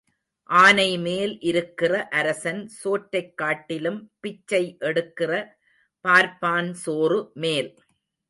ஆனைமேல் இருக்கிற அரசன் சோற்றைக் காட்டிலும் பிச்சை எடுக்கிற பார்ப்பான் சோறு மேல்.